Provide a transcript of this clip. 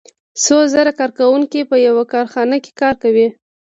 څو زره کارکوونکي په یوه کارخانه کې کار کوي